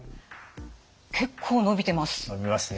結構伸びてます。